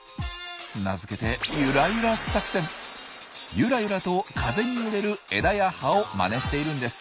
名付けてゆらゆらと風に揺れる枝や葉をまねしているんです。